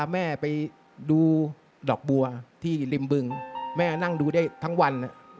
ไปดูดอกบัวที่ริมบึงแม่นั่งดูได้ทั้งวัน